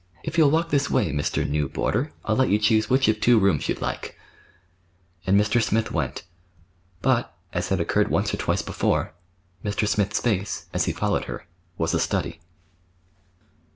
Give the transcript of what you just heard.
If you'll walk this way, Mr. New Boarder, I'll let you choose which of two rooms you'd like." And Mr. Smith went. But, as had occurred once or twice before, Mr. Smith's face, as he followed her, was a study.